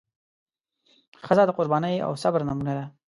ښځه د قربانۍ او صبر نمونه ده.